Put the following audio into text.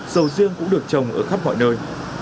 sầu riêng cũng được trồng ở khắp mọi nơi